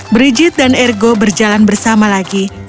brigit dan ergo berjalan bersama lagi